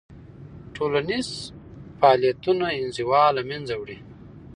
ټولنیز فعالیتونه انزوا له منځه وړي.